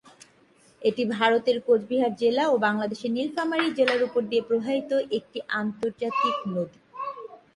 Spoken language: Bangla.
এটি ভারতের কোচবিহার জেলা ও বাংলাদেশের নীলফামারী জেলার উপর দিয়ে প্রবাহিত একটি আন্তর্জাতিক নদী।